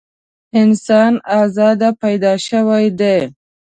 انسان ازاد پیدا شوی دی.